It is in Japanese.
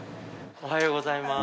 おはようございます。